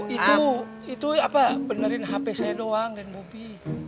itu itu apa benerin hp saya doang dan bobi